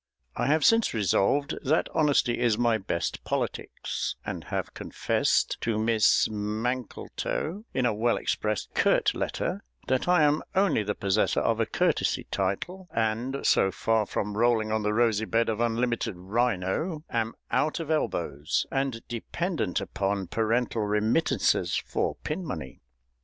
I have since resolved that honesty is my best politics, and have confessed to Miss MANKLETOW in a well expressed curt letter that I am only the possessor of a courtesy title, and, so far from rolling on the rosy bed of unlimited rhino, am out of elbows, and dependent upon parental remittances for pin money.